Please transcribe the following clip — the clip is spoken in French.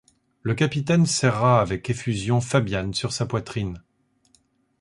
Le capitaine serra avec effusion Fabian sur sa poitrine.